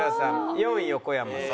４位横山さん。